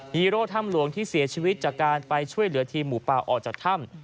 ฮีโร่ถ้ำหลวงที่เสียชีวิตจากการไปช่วยเหลือทีมหมูป่าออกจากถ้ำ